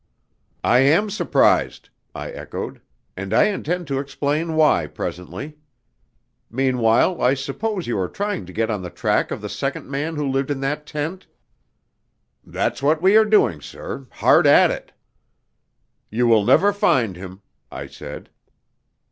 "I am surprised," I echoed, "and I intend to explain why presently. Meanwhile, I suppose you are trying to get on the track of the second man who lived in that tent?" "That's what we are doing, sir hard at it." "You will never find him," I said.